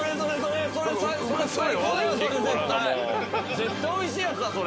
絶対おいしいやつだそれ。